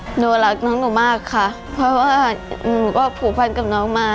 หนูรักน้องหนูมากค่ะเพราะว่าหนูก็ผูกพันกับน้องมา